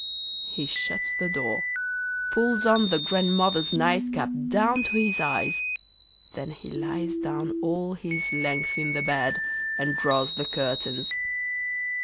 He shuts the door, pulls on the Grandmother's night cap down to his eyes, then he lies down all his length in the bed and draws the curtains.